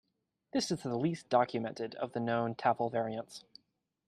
This is the least documented of the known tafl variants.